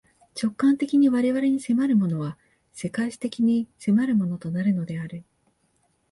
直観的に我々に迫るものは、世界史的に迫るものとなるのである。